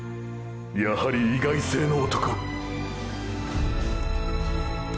やはり「意外性」の男！！